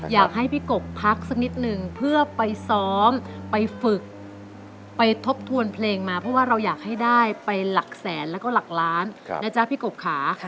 อยากให้พี่กบพักสักนิดนึงเพื่อไปซ้อมไปฝึกไปทบทวนเพลงมาเพราะว่าเราอยากให้ได้ไปหลักแสนแล้วก็หลักล้านนะจ๊ะพี่กบค่ะ